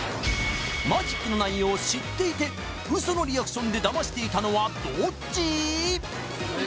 マジックの内容を知っていてウソのリアクションでダマしていたのはどっち？